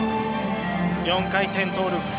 ４回転トーループ。